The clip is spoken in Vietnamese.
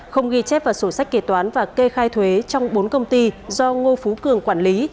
không ghi chép vào sổ sách kế toán và kê khai thuế trong bốn công ty do ngô phú cường quản lý